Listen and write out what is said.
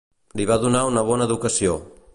Li va donar una bona educació.